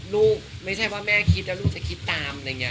ลูกไม่ใช่ว่าแม่คิดแล้วลูกจะคิดตาม